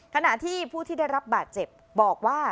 ขณะที่ผู้ที่ได้รับบาดเจ็บบอกว่า